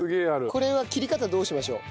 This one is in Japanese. これは切り方どうしましょう？